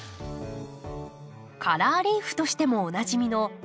カラーリーフとしてもおなじみのラミウム。